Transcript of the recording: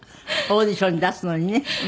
オーディションに出すのにね。